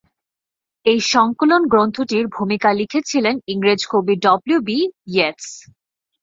এই সংকলন গ্রন্থটির ভূমিকা লিখেছিলেন ইংরেজ কবি ডব্লু বি ইয়েটস।